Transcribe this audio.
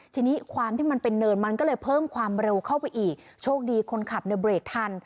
ทีนี้ความที่มันเป็นเนินมันก็เลยเพิ่มความเร็วเข้าไปอีกโชคดีคนขับเนี่ยเบรกทัน